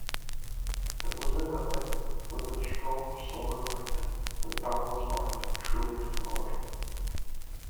It was in Italy, with its strong southern light, that Dahl's art truly flowered.